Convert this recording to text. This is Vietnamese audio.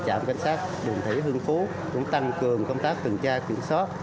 trạm cảnh sát đường thủy hưng phú cũng tăng cường công tác cường tra kiểm soát